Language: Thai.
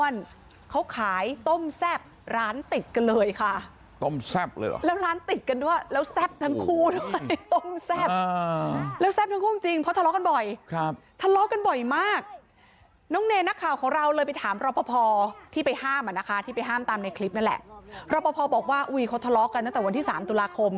รับประพาวบอกว่าเขาทะเลาะกันตั้งแต่วันที่๓ตุลาคม